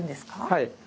はい。